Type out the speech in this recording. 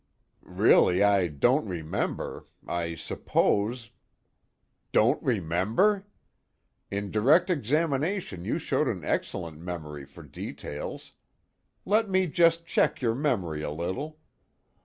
"Really I don't remember. I suppose " "Don't remember! In direct examination you showed an excellent memory for details. Let me just check your memory a little.